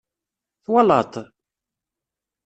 Twalaḍ-t?